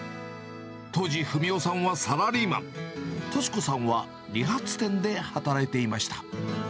当時、文雄さんはサラリーマン、敏子さんは理髪店で働いていました。